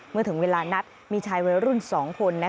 เมื่อถึงเวลานัดมีชายวัยรุ่น๒คน